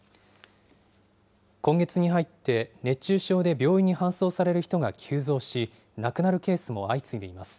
今月に入って、熱中症で病院に搬送される人が急増し、亡くなるケースも相次いでいます。